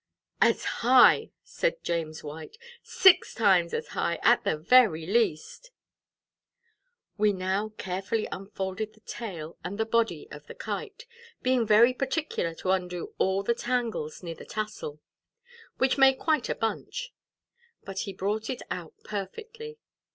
"As high!" said James White, "six times as high, at the very least." He now carefully unfolded the tail from the body of the Kite, being very particular to undo all the tangles near the tassel, which made quite a bunch; but he brought it out perfectly.